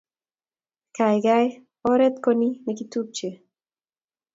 Gaigai, oret ko ni nekitupche